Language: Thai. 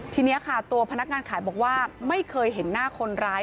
ทีนี้ค่ะตัวพนักงานขายบอกว่าไม่เคยเห็นหน้าคนร้าย